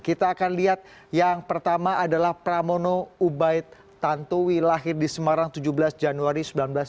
kita akan lihat yang pertama adalah pramono ubaid tantowi lahir di semarang tujuh belas januari seribu sembilan ratus sembilan puluh